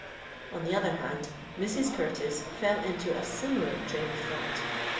On the other hand, Mrs. Curtis fell into a similar train of thought.